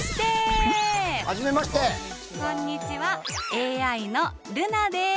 ＡＩのルナです。